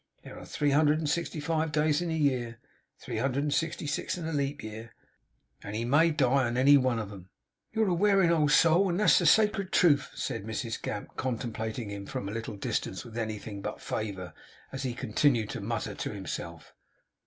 There are three hundred and sixty five days in the year three hundred and sixty six in leap year and he may die on any one of 'em.' 'You're a wearing old soul, and that's the sacred truth,' said Mrs Gamp, contemplating him from a little distance with anything but favour, as he continued to mutter to himself.